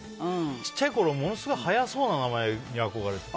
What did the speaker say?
ちっちゃいころものすごい速そうな名前に憧れてて。